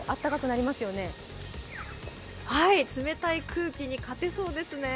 冷たい空気に勝てそうですね。